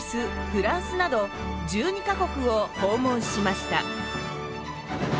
フランスなど１２か国を訪問しました。